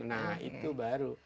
nah itu baru